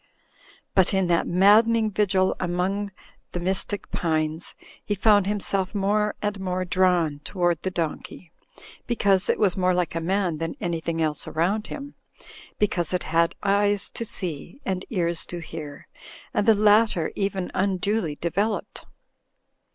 But in that maddening vigil among the mystic pines, he found himself more and more drawn toward the donkey, because it was more like a man than anything else around him ; because it had eyes to see, and ears to hear — ^and the latter even un duly developed.